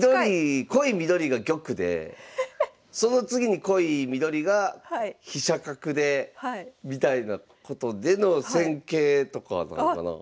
濃い緑が玉でその次に濃い緑が飛車角でみたいなことでの戦型とかなのかなあ？